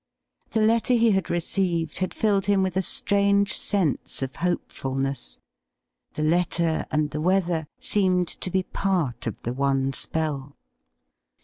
The letter he had received had filled him with a strange sense of hopefulness. The letter and the weather seemed to be part of the one spell.